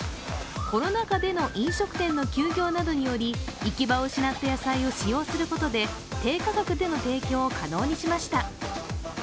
コロナ禍での飲食店の休業などにより行き場を失った野菜を使用することで低価格での提供を可能にしました。